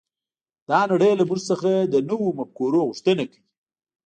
دا نړۍ له موږ څخه د نويو مفکورو غوښتنه کوي.